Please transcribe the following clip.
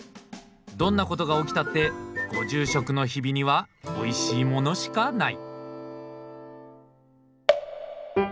どんなことが起きたってご住職の日々にはおいしいものしかない。